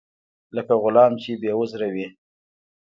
لکه غلام چې بې عذره وي.